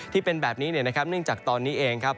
ที่เป็นแบบนี้เนี่ยนะครับเนื่องจากตอนนี้เองครับ